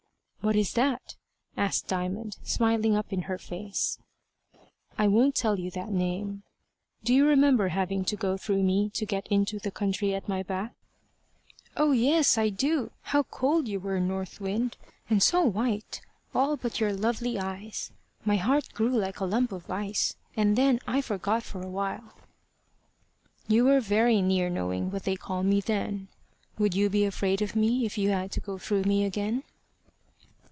"What is that?" asked Diamond, smiling up in her face. "I won't tell you that name. Do you remember having to go through me to get into the country at my back?" "Oh yes, I do. How cold you were, North Wind! and so white, all but your lovely eyes! My heart grew like a lump of ice, and then I forgot for a while." "You were very near knowing what they call me then. Would you be afraid of me if you had to go through me again?"